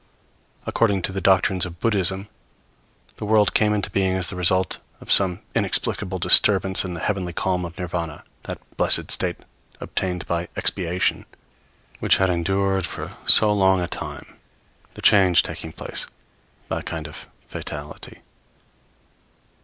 According to the doctrines of Buddhism, the world came into being as the result of some inexplicable disturbance in the heavenly calm of Nirvana, that blessed state obtained by expiation, which had endured so long a time the change taking place by a kind of fatality.